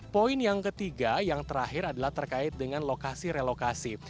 poin yang ketiga yang terakhir adalah terkait dengan lokasi relokasi